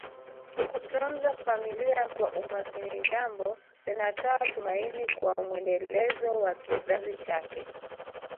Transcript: Kutunza familia kwa umakini jambo linatoa tumaini kwa mwendelezo wa kizazi chake